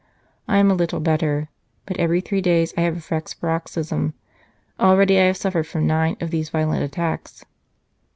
I am a little better, but every three days I have a fresh paroxysm ; already I have suffered from nine of these violent attacks.